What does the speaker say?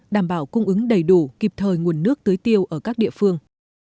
đảm bảo cung ứng đầy đủ kịp thời nguồn nước tưới tiêu ở các địa phương